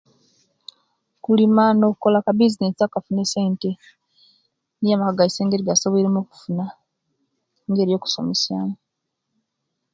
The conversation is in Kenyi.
Kulima nokola kabisinesi akafuna esente niyo amaka gaisu engeri ejigasoboilemu okuna engeri yokusomesyamu.